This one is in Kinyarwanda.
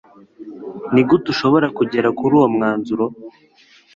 Nigute ushobora kugera kuri uwo mwanzuro